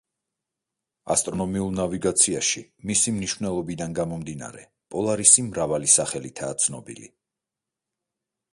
ასტრონომიულ ნავიგაციაში მისი მნიშვნელობიდან გამომდინარე, პოლარისი მრავალი სახელითაა ცნობილი.